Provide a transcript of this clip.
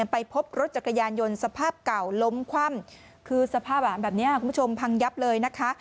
ไปพบรถจักรยานยนต์สภาพเก่าล้มคว่ำคือสภาพแบบนี้คุณผู้ชมพังยับเลยนะคะ